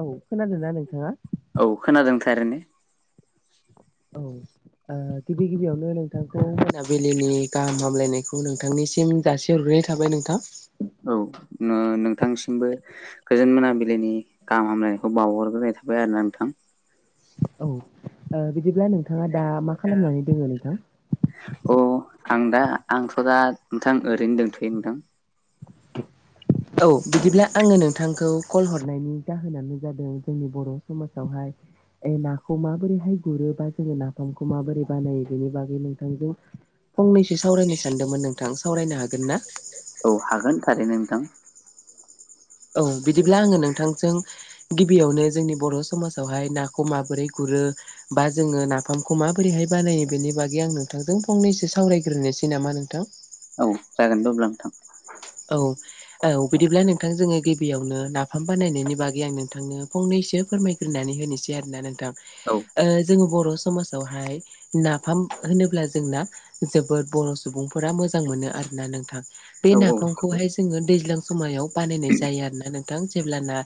औ खोनादों ना नोंथाङा औ खोनादोंथाय ने औ ओ [inaudible] गिबि गिबियावनो नोंथांखौ मोनाबिलिनि गाहाम हामलायनायखौ नोंथांनिसिम जासे हरगोननाय थाबाय नोंथां औ नोंथांसिमबो गोजोन मोनाबिलिइनि गाहाम हामलायनायखौ बावहरग्रोनाय थाबाय आरो ना नोंथां औ बिदिब्ला नोंथाङा दा मा खालामनानै दोङो नोंथां अ आं दा आंथ' दा नोंथां ओरैनो दंथ'यो नोंथां [inaudible] औ बिदिब्ला आङो नोंथांखौ कल हरनायनि जाहोनानो जादों जोंनि बर' समाजावहाय ए नाखौ माबोरैहाय गुरो बा जोङो नाफामखौ माबोरै बानायो बेनि बागै नोंथांजों फंनैसो सावरायनो सानदोंमोन नोंथां सावरायनो हागोन ना औ हागोन थारैनो नोंथां औ बिदिब्ला आङो नोंथांजों गिबियावनो जोंनि बर' समाजावहाय नाखौ माबोरै गुरो बा जोङो नाफामखौ माबोरैहाय बानायो बेनि बागै आं नोंथांजों फंनैसो सावरायग्रोनोसै नामा नोंथां औ जागोन द अब्ला नोंथां औ औ बिदिब्ला नोंथां जोङो गिबियावनो नाफाम बानायनायनि बागै आं नोंथांनो फंनैसो फोरमाय फोरनानै होनोसै आरोोना नोंथां औ जो बर' समाजावहाय नाफाम होनोब्ला जोंना जोबोद बर' सुबुंफोरा मोजां मोनो आरोना नोंथां बे औ औ नाफामखौहाय जोङो दैज्लां समायाव बानायनाय जायो आरोना नोंथां जेब्लाना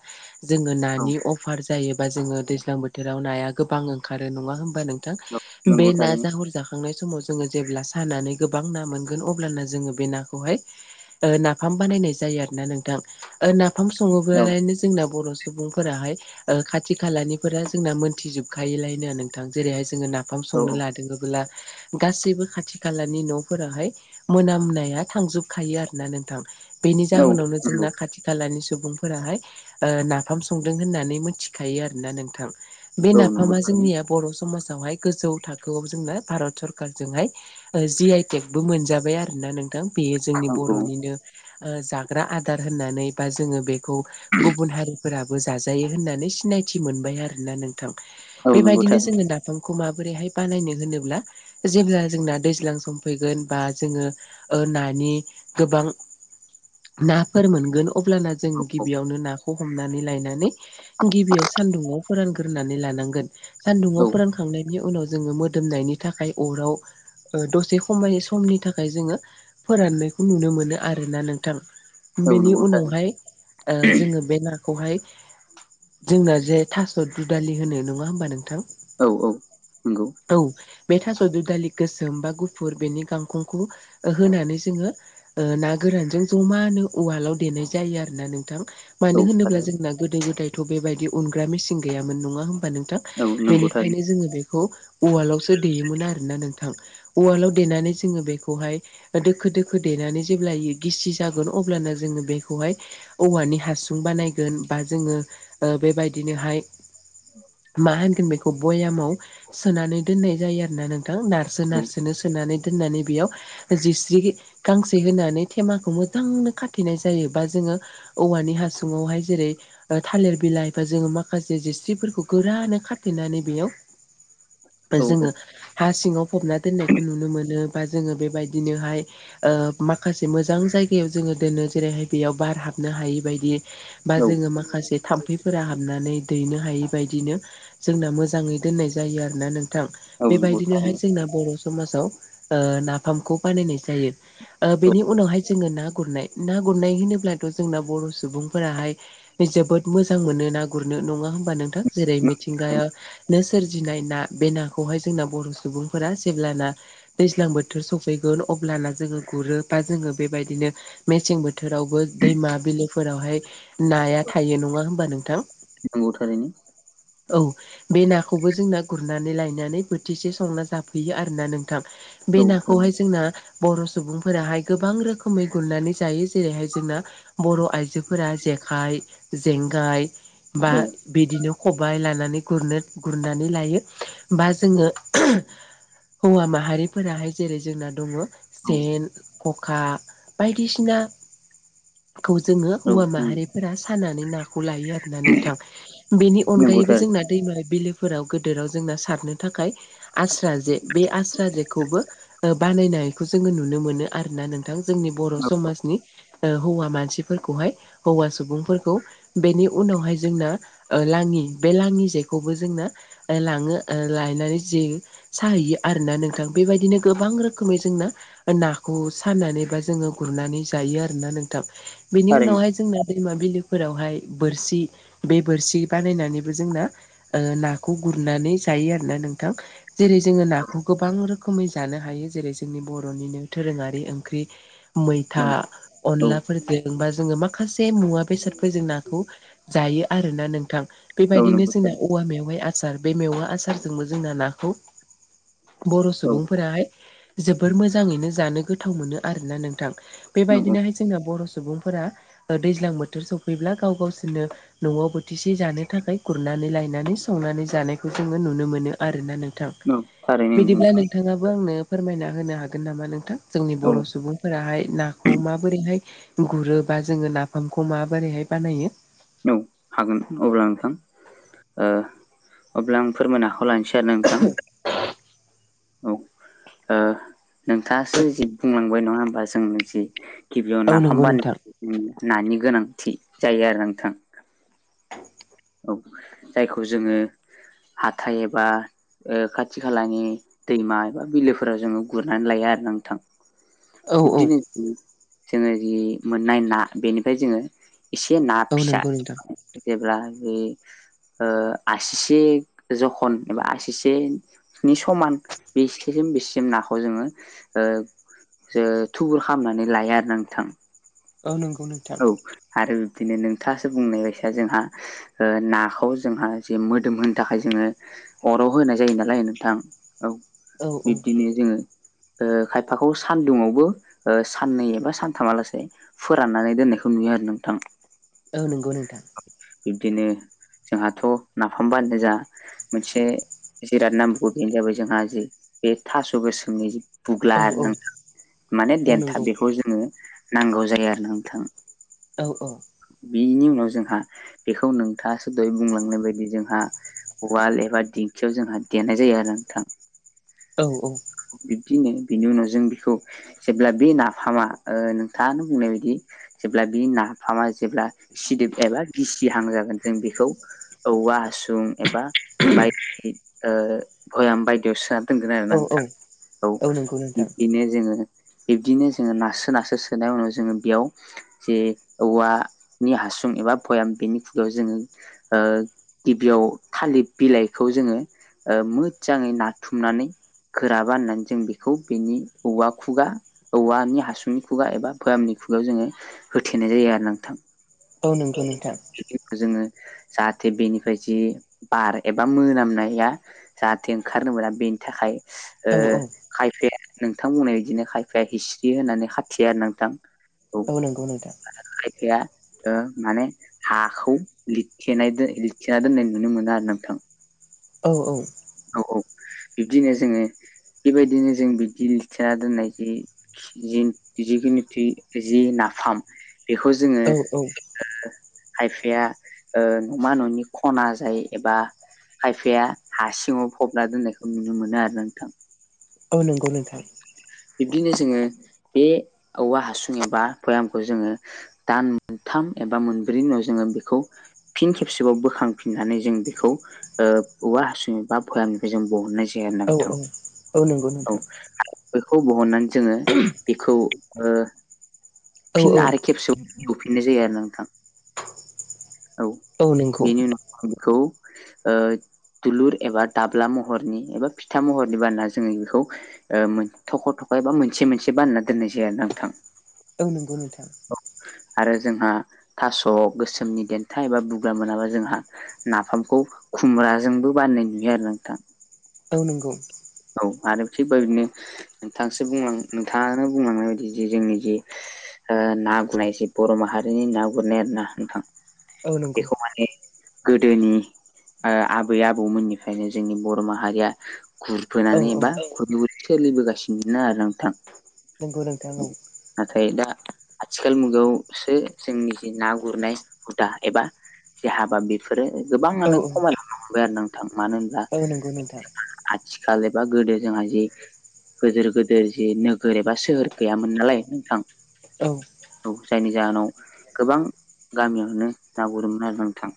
जोङो औ नानि अफार जायोबा जोङो दैज्लां बोथोराव नाया गोबां ओंखारो नङा होमबा नों औ बे नंगौ थारैनो नाजाहर जाह थांनाय समाव जोङो जेब्ला सानानै गोबां ना मोनगोन अब्लाना जोङो बे नाखौहाय नाफाम बानायनाय जायो आरो ना नोंथां नाफाम औ सङोबालनो जोंना बर' सुबुंफोराहाय ओ खाथि खालानिफोरा जोंना मोनथिजोबखायोलायनो नोंथां जेरैहाय जोङो ना फाम औ संनो लादोंबोला गासैबो खाथि खालानि न'फोरावहाय मोनामनाया थांजोबखायो आरो ना नोंथां बेनि औ नंगौ जाहोनावनो जोंना खाथि खाथि खालानि सुबुंफोराहाय नाफाम संदों होननानै मिथिखायो आरोना नोंथां। बे औ नंगौ नाफामा थारैनो जोंनिया बर' समाजावहाय गोजौ थाखोआव जोंना भारत सरखारजोंहाय जि आइटेक बो मोनजाबाय आरोना नों बेयो जोंनि औ औ बर'निनो जाग्रा आदार होननानै। बा जोङो बेखौ गुबुन हारिफोराबो जाजायो होननानै सिनायथि मोनबाय आरोना नों थां बेबायदिनो जोङो दाफांखौ माबोरैहाय बानायनो होनोब्ला जेब्ला जोंना दैज्लां सम फैगोन बा जोङो ओ नानि गोबां नाफोर मोनगोन अब्लाना जों गिबियावनो ना हमनानै लायनानै गिबियाव सान्दुंआव फोरानग्रोनानै लानांगोन सान्दुङाव फोरानखांनायनि उनाव जोङो मोदोमनायनि थाखाय अराव ओ दसे खमाय समनि थाखाय जोङो फोरानो नुनो मोनो आरोना नोंथां औ बेनि नंगौ थारैनो उनावहाय ओ जोङो बे ना खौहाय जोंना जे थास' दुदालि होनो नङा होमबा नोंथां? औ औ नंगौ। औ बे थास' दुदालि गोसोम बा गुफुर बेनि गांखंखौ होनानै जोङो ओ ना गोरानजों जमानो उवालाव देनाय जायो आरो ना नोंथां। मानो थारैनो औ होनोब्ला जोंना गोदो गोदायथ' बेबायदि उनग्रा मेसिन गैयामोन नङा होमबा नोंथां? नंगौ औ थारैनो औ नंगौ बेनिखायनो थारैनो जोङो बे खौ उवालावसो देयोमोन आरो ना नों थां उवालाव देनानै जोङो बेखौहाय दोखो दोखो फोदेनानै जेबब्लायो गिसि जागोन अब्लानो जोङो बेखौहाय औवानि हासुं बानायगोन बा जोङो बेबायदिनोहाय मा होनगोन बेखौ बयामाव सोनानै दोननाय जायो आरोना नोंथां नार औ सोनार सोनो सोनानै दोननानै बेयाव जिस्रि गांसे होनानै थेमाखौ मोजांनो खाथेनाय जायो बा जोङो औवानि हासुङावहाय जेरै थालिर बिलाइ बा जोङो माखासे जस्रिफोरखौ गोरानो खाथेनानै बेयाव बा औ जोङो हा सिङाव फबना दोननायखौ नुनो मोनो बा जोङो बेबायदिनोहाय ओ माखासे मोजां जायगायाव जोङो दोनो जेरैहाय बेयाव बार हाबनो हायि बायदि बा जोङो माखासे थाम्फैफोरा हाबनानै दैनो हायि बायदिनो जोंना मोजाङै दोननाय जायो आरोना नों थां औ नंगौ बेबायदिनोहाय थारैनो जोंना बर' समाजाव ओ नाफामखौ बानायनाय जायो। बेनि उनावहाय जोङो ना गुरनाय ना गुरनाय होनोब्लाथ' जोंना बर' सुबुंफोराहाय जोबोद मोजां मोनो ना गुरनो नङा होमबा नोंथां? जेरै औ मिथिंगाया नो सोरजिनाय ना बे नाखौहाय जोंना बर' सुबुंफोरा जेब्लाना दैज्लां बोथोर सफैगोन अब्लाना जोङो गुरो बा जोङो बेबायदिनो मेसें बोथोरावबो दैमा बिलोफोरावहाय नाया थायो नङा होमबा नोंथां? नंगौ थारैनो औ बे नाखौबो जोंना गुरनानै लायनानै बोथिसे संना जाफैयो आरोना नोंथां। बे औ नाखौहाय थारैनो जोंना बर' सुबुंफोराहाय गोबां रोखोमै गुरनानै जायो जेरैहाय जोंना बर' आयजो जोफोरा जेखाइ जेंगाय बा औ बिदिनो खबाइ लानानै गुरनो गुरनानै लायो बा जोङो हौवा माहारिफोराहाय जेरै जोंना दङ औ सेन खखा बायदिसिना खौ जोङो हौवा नंगौ माहारिफोरा सानानै ना खौलायो आरोना नोंथां बेनि नंगौ अनगायैबो थारैनो जोंना दैमा बिलोफोराव गोदोराव जोंना सारनो थाखाय आस्रा जे बे आस्रा जेखौबो ओ बानायनायखौ जोङो नुनो मोनो आरोना नों थां जोंनि बर' औ औ समाजनि ओ हौवा मानसिफोरखौहाय हौवा सुबुंफोरखौ बेनि उनावहाय जोंना ओ लाङि बे लाङि जेखौबो जोंना लाङो ओ लायनानै जिं साहैयो आरोना नोंथां बेबायदिनो गोबां रोखोमै जोंना ओ नाखौ साननानै बा जोङो गुरनानै जायो आरोना नोंथां बेनि थारैनो उनावहाय जोंनो दैमा बिलोफोरावहाय बोरसि बे बोरसि बानायनानैबो जोंना ओ नाखौ गुरनानै जायो आरो ना नोंथां जेरै जोङो नाखौ गोबां रोखोमै जानो हायो जेरै जोंनि बर' र'निनो दोरोङारि ओंख्रि औ मैथा औ अनलाफोरदों बा जोङो माखासे मुवा बेसादफोरजों नाखौ जायो आरोना नोंथां औ बेबायदिनो नंगौ जोंना थारैनो औवा मेवाइआ आसार बे मेवा आसारजोंबो जोंना नाखौ बर' औ सुबुंफोराहाय जोबोर मोजाङैनो जानो गोथाव मोनो आरोना नोंथां बेबायदिनोहाय जोंना बर' सुबुंफोरा ओ दैज्लां बोथोर सफैब्ला गाव गावसोरनो न'आव बोथिसे जानो थाखाय गुरनानै लायनानै संनानै जानायखौ जोङो नुनो मोनो आरोना नों थां थारैनो बिदिब्ला नंगौ नोंथाङाबो आंनो फोरमायना होनो हागोन नामा नोंथां जोंनि नोंथां औ बर' सुबुं फोराहाय नाखौ माबोरैहाय गुरो बा जोङो नाफामखौ माबोरैहाय बानायो औ हागोन अब्ला नोंथां ओ अब्ला आं फोरमायनो आखायाव लानोसै एर नोंथां [inaudible] औ ओ नोंथासो जि बुंलांबाय नङा होमबा जों जि गिबियाव औ नाफाम नंगौ नोंथां बानायनो नानि गोनांथि जायो आरो नोंथां [inaudible] औ जायखौ जोङो हाथाय एबा ओ खाथि खालानि दैमा एबा बिलोफोराव जोङो गुरनानै लायो आरो नोंथां औ औ दिनि जोङो जि मोननाय ना बेनिफ्राय जोङो एसे ना औ फिसा नंगौ नोंथां जेब्ला बे ओ आसिसे जखन एबा आसिसे नि समान बिस्सिम बिसिम नाखौ जोङो ओ जो थुबुर खालामनानै लायो आरो ना नोंथां औ नोंगौ नोंथां औ आरो बिब्दिनो नोंथाङासो बुंनाय बायसा जोंहा ओ नाखौ जोंहा जे मोदोम होनो थाखाय जोङो अराव होनाय जायो नालाय नोंथां औ औ औ बिब्दिनो जोङो ओ खायफाखौ सानदुंङावबो ओ साननै एबा सानथामालासै फोराननानै दोननायखौ नुयो आरो नोंथां औ नोंगौ नोंथां बिब्दिनो जोंहाथ' नाफामबानायना जा मोनसे जिराद नांबगौ बेनो जाबाय जोंहा जि बे थास' गोसोमनि जि बुग्ला औ आरो औ नां माने औ नंगौ देन्थाब बेखौ जोङो नांगौ जायो आरो नोंथां औ औ बिनि उनाव जोंहा बेखौ नोंथाङासो दहय बुंलांनाय बायदि जोंहा उवाल एबा दिंखियाव जोंहा देनाय जायो आरो नोंथां। औ-औ बिब्दिनो बिनि उनाव जों बेखौ जेब्ला बे नाफामा ओ नोंथाङानो बुंनाय बायदि जेब्ला बे नाफामा जेब्ला सिदोब एबा गसि हां जागोन जों बेखौ औवा हासुं एबा बाय ओ भ'याम बायदियावसोना दोंगोन आरो औ ना औ नोंथां औ नंगौ नोंथां बिदिनो जोङो बिब्दिनो जोङो नारासो नासो सोनाय उनाव जोङो बेयाव जे औवा नि हासुं एबा भयाम बेनि खुगायाव जोङो ओ गिबियाव थालिथ बिलाइखौ जोङो ओ मोजाङै नाथुमनानै गोरा बाननानै जों बेखौ बेनि औवा खुगा औवानि हासुनि खुगा एबा भयामनि खुगायाव जोङो होथेनाय जायो आरो नोंथां। औ नंगौ [unintelligible] नोंथां जोङो जाहाथे बेनिफ्राय जि बार एबा मोनामनाया। जाहाथे ओंखारनो मोना बेनि थाखाय ओ औ औ खायफाया नोंथां बुंनाय बिदिनो खायफाया हिस्रि होननानै खाथियो आरो नोंथां। औ नंगौ नोंथा। आरो खायफाया ओ माने हाखौ लिदथेनाय दो लिदथेना दोननाय नुनो मोनो आरो नोंथां। औ-औ औ-औ बिब्दिनो जोङो बेबायदिनो जों बिदि लथिया दोननाय जि जिन-जिगिनिथि जि नाफाम बेखौ जोङो औ औ ओ खायफाया ओ नमा न'नि खना जाय एबा खायफाया हा सिङाव फबना दोननायखौ नुनो मोनो आरो ना नोंथां। औ नोंगौ नोंथां। बिब्दिनो जोङो बे औवा हासुं एबा फोरामखौ जोङो दान मोनथाम एबा मोनब्रै उनाव जोङो बेखौ फिन खेबसेबाव बोखांफिननानै जों बेखौ ओ औवा हासुं बा फोआन बेजों बहनाय औ-औ औ बेखौ बहननानै जोङो बेखौ ओ औ फिन औ आरो खेबसेयाव एवफिननाय जायो आरो नोंथां। औ बेनि उनाव आं बेखौ ओ दुलुर एबा दाब्ला महरनि एबा फिथा महरनि बानना जोङो बेखौ ओ मो थख' थख' एबा मोनसे मोनसे बानना दोननाय जाया नोंथां। औ नंगौ नोंथां। अ आरो जोंहा थास' गोसोमनि देन फिथा एबा बुग्रा मोनाबा जोंहा नाफामखौ खुमब्राजोंबो बाननाय नुयो आरो नोंथां। औ नोंगौ। औ आरो थिग बेबायदनो नोंथांसो नोंथाङानो बुंलांनाय बायदि जे जोंनि जे ओ ना गुनायसै बर' माहारिनि ना गुरनाय आर ना नोंथां औ नंगौ बेखौ माने गोदोनि ओ आबै आबौमोननिफ्रायनो जोंनि बर' माहारिया औ गुरफोनानै एबा खुर सोलिबोगासिनोनो आरो नोंथां। नोंगौ नोंथां औ। नाथाय दा आथिखाल मुगायावसो जोंनि जि ना गुरनाय हुदा एबा जे हाबा बेफोरो औ गोबाङानो खमायलांनो हमबाय आरो ना थां मानो होनब्ला औ नंगौ नोंथां आथिखाल एबा गोदो जोंहा जे गोजोर गोदोर जि नोगोर एबा सोहोर गैयामोन नालाय नोंथां। औ औ जायनि जाहोनाव गोबां गामियावनो ना गुरोमोन आरो नोंथां।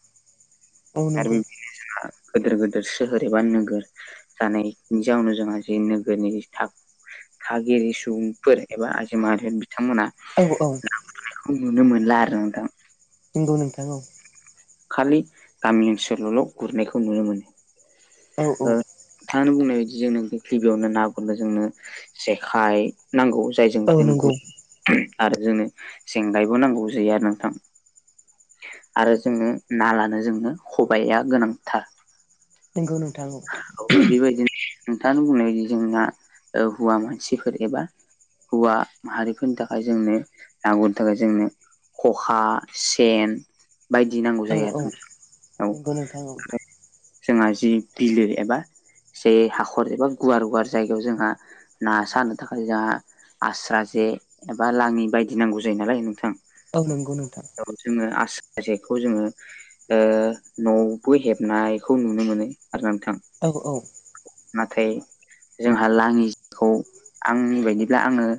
औ आरो नंगौ [unintelligible] गोदोर गोदोर सोहोर एबा नोगोर जानायनि जाउनाव जोंहा जि नोगोरनि था थागिरि सुबुंफोर एबा आजि [unintelligible] थांमोना औ औ ना गुरनायखौ नुनो मोनला आरो नोंथां। औ नोंथां औ। खालि गामि ओनसोलावल' गुरनायखौ नुनो मोनो। औ औ। थांङानो बुंनाय बायदि जोंनो गिबियावनो ना गुरनो जोंनो जेखाइ नांगौ जायजों औ जों गुद नंगौ [unintelligible] आरो जोंनो जेंगायबो नांगौ जायो आरो नोंथां। आरो जोङो ना लानो जोङो खबाइया गोनांथार। नोंगौ नोंथां औ। औ बेबायदि नोंथाङा बुंनाय जोंना औ हौवा मानसिफोर एबा हौवा माहारिफोरनि थाखाय जोंनो ना गुरनो थाखाय जोंनो ख'खा सेन बायदि नांगौ जायो आरो औ औ नों औ [inaudible] जोंहा जि बिलो एबा जे हाखर एबा गुवार गुवार जायगायाव जोंहा ना सानो थाखाय जोंहा आस्रा जे एबा लांङि बायदि नांगौ जायो नालाय नोंथां। औ नोंगौ नोंथां। औ जोङो आस्रा जेखौ जोङो ओ न'आवबो हेबनायखौ नुनो मोनो आरोना नोंथां। औ औ। नाथाय जोंहा लांङि जिखौ आंनि बायदिब्ला आंङो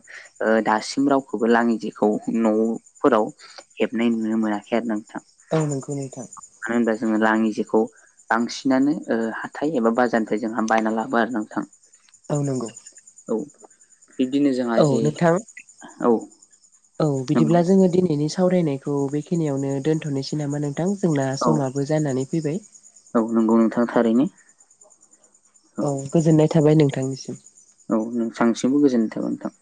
ओ दासिम रावखौबो लाङि जेखौ न'फोराव हेबनाय नुनो मोनाखै आरोना नोंथां। औ नंगौ नोंथां। मानो होनबा जोङो लाङि जेखौ बांसिनानो ओ हाथाय एबा बाजारनिफ्राय जोंहा बायना लाबो आरो नोंथां। औ नंगौ। औ बिब्दिनो जोंहा औ जे नोंथां औ। औ बिदिब्ला नंगौ जोङो दिनैनि सावरायनायखौ बेखिनियावनो दोनथ'नोसै नामा नों थां जोंना औ समाबो जानानै फैबाय। औ नंगौ नोंथां थारैनो। औ गोजोननाय थाबाय नोंथांनिसिम। औ नोंथांनिसिमबो गोजोन्थों नोंथां।